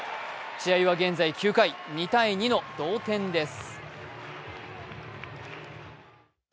試合は現在９回、２−２の同点です。